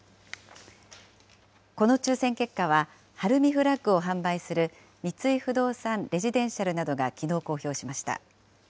この抽せん結果は、晴海フラッグを販売する三井不動産レジデンシャルなどがきのう公表しました。